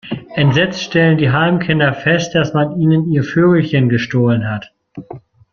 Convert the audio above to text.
Entsetzt stellen die Heimkinder fest, dass man ihnen ihr Vögelchen gestohlen hat.